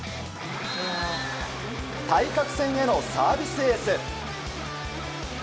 対角線へのサービスエース。